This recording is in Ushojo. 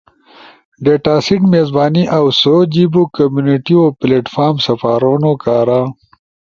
ڈیٹاسیٹ میزبانی اؤ سو جیبو کمیونٹیو پلیٹ فارم سپارونو کارا